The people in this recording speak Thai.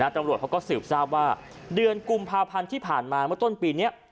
ตำรวจเขาก็สืบทราบว่าเดือนกุมภาพันธ์ที่ผ่านมาเมื่อต้นปีนี้